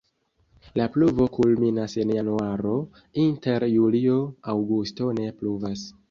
La pluvo kulminas en januaro, inter julio-aŭgusto ne pluvas.